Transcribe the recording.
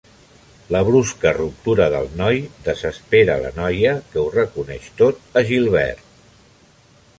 La brusca ruptura del noi desespera la noia que ho reconeix tot a Gilbert.